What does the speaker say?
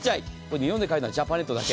日本で買えるのはジャパネットだけ。